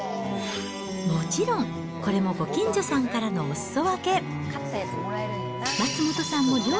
もちろん、これもご近所さんからのおすそ分け。